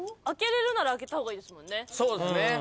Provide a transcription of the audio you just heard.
開けれるなら開けた方がいいですもんね。